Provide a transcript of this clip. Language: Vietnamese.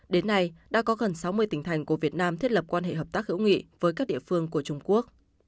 đến nay đã có gần sáu mươi tỉnh thành của việt nam thiết lập quan hệ hợp tác hữu nghị với các địa phương của trung quốc